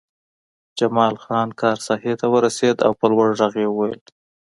جمال خان کار ساحې ته ورسېد او په لوړ غږ یې وویل